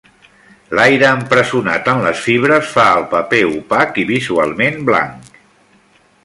L'aire empresonat en les fibres fa el paper opac i visualment blanc.